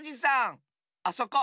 あそこ。